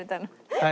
はい。